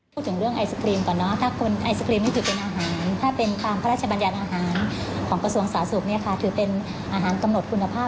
เข้าไม่อยู่บ้านนะครับบ้านปิดไม่สามารถเข้าไปที่บ้านได้ค่ะ